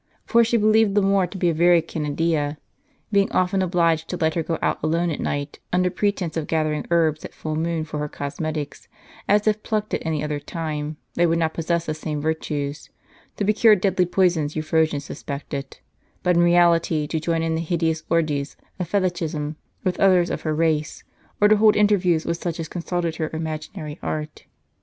For she believed the Moor to be a very Canidia,* being often obliged to let her go out alone at night, under pretence of gathering herbs at full moon for her cosmetics, as if plucked at any other time, they would not possess the same virtues ; to procure deadly poisons Euphrosyne suspected, but in reality to join in the hideous orgies of Fetichism t with others of her race, or to hold interviews with such as consulted her imaginary art.